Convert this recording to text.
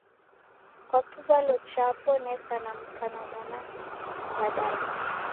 Kwa kivalo chapo neka na mka na 'wana w'adadu.